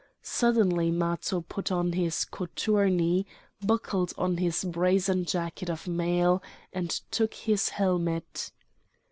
Suddenly Matho put on his cothurni, buckled on his brazen jacket of mail, and took his helmet.